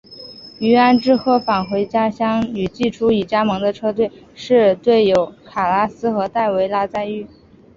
云安贺治返回家乡与季初已加盟的车路士队友卡拉斯和戴维拉再遇。